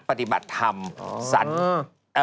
พระพุทธรูปสูงเก้าชั้นหมายความว่าสูงเก้าชั้น